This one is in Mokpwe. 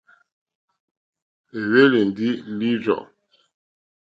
É hwélì ndí lǐrzɔ̀.